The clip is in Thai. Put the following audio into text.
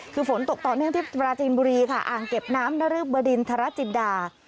คือฝนตกต่อเนื่องที่ปราจีนบุรีค่ะอ่างเก็บน้ำนรึบดินทรจินดา